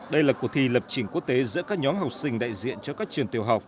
đây là cuộc thi lập trình quốc tế giữa các nhóm học sinh đại diện cho các trường tiểu học